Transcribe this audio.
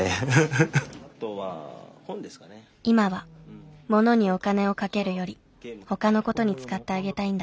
今は物にお金をかけるよりほかの事に使ってあげたいんだって。